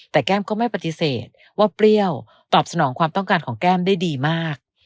แต่แก้มก็ไม่ปฏิเสธว่าเปรี้ยวตอบสนองความต้องการของแก้มได้ดีมาก